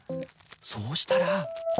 そうしたら。